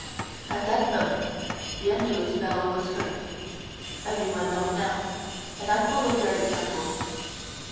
At that moment the Angelus bell was heard; everyone knelt down, and I followed their example.